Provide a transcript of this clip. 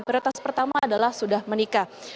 prioritas pertama adalah sudah menikah